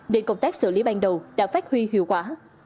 nên công tác xử lý ban đầu đã phát huy hiệu quả